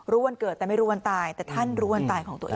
วันเกิดแต่ไม่รู้วันตายแต่ท่านรู้วันตายของตัวเอง